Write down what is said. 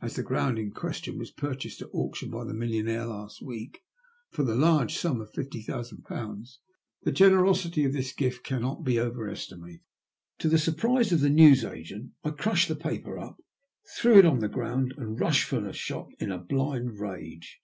As the ground in question was purchased at auction by the millionaire last week for the large sum of fifty thousand pounds, the generosity of this gift cannot be over estimated.*' To the surprise of the newsagent I crashed the paper up, threw it on the ground, and rushed from the shop in a blind rage.